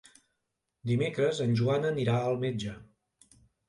Dimecres en Joan anirà al metge.